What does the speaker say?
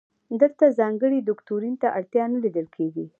دلته ځانګړي دوکتورین ته اړتیا نه لیدل کیږي.